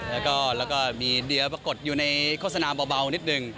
แล้วก็มีเดี๋ยวปะกดอยู่ในข้อสนามเบานิดหนึ่ง